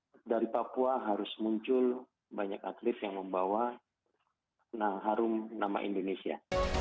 jadi dari papua harus muncul banyak atlet yang membawa harum nama indonesia